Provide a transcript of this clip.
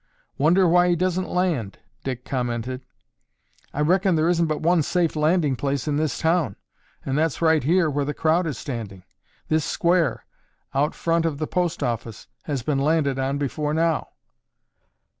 "Wonder why he doesn't land," Dick commented. "I reckon there isn't but one safe landing place in this town, and that's right here where the crowd is standing. This square, out front of the post office, has been landed on before now."